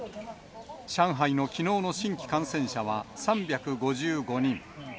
上海のきのうの新規感染者は３５５人。